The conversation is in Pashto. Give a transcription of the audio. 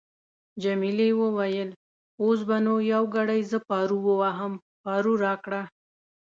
جميلې وويل:: اوس به نو یو ګړی زه پارو وواهم، پارو راکړه.